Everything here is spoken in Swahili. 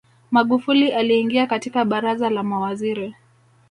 magufuli aliingia katika baraza la mawaziri